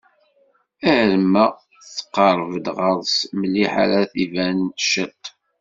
Arma tqerrbeḍ ɣer-s mliḥ ara d-iban ciṭ.